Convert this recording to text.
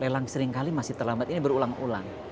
lelang seringkali masih terlambat ini berulang ulang